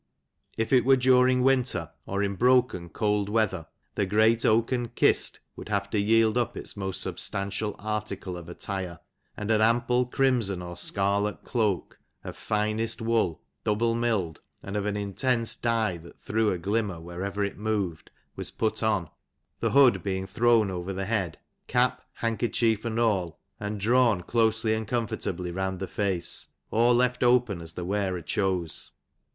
If it were during winter, or in broken cold weather, the great oaken kist would have to yield up its most substantial article of attire ; and an ample crimson or scarlet cloak, of finest wool, double milled, and of an intense dye that threw a glimmer wherever it moved, was put on, the hood being thrown over the head, cap, handkerchief and all, and drawn closely and comfortably round the fieuje, or left open as the wearer chose.